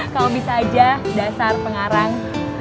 kalau bisa aja dasar pengarang